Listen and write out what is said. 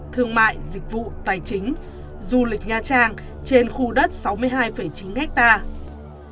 thương mại dịch vụ tài chính du lịch nha trang trên khu đất sáu mươi hai chín hectare